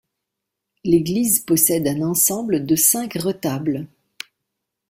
L'église possède un ensemble de cinq retables.